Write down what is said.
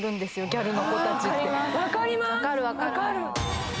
ギャルの子たちって。